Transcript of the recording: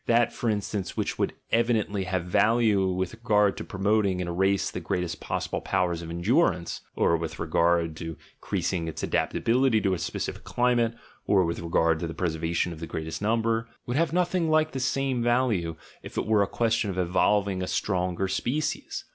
That, for instance, which would evidently have value with regard to promoting in a race the greatest possible powers of endurance (or with regard to increasing its adaptability to a specific climate, or with regard to the preservation of the greatest number) would have nothing like the same value, if it were a question of evolving a stronger species.